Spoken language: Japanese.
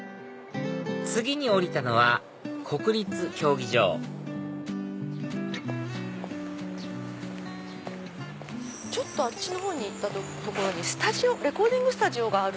次に降りたのは国立競技場ちょっとあっちのほうに行ったとこにレコーディングスタジオがある。